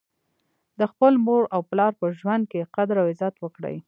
د خپل مور او پلار په ژوند کي قدر او عزت وکړئ